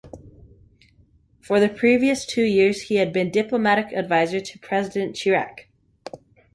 For the previous two years he had been diplomatic adviser to President Chirac.